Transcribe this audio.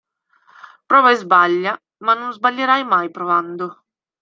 Prova e sbaglia, ma non sbaglierai mai provando.